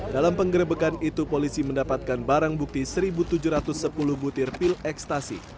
dalam penggerebekan itu polisi mendapatkan barang bukti satu tujuh ratus sepuluh butir pil ekstasi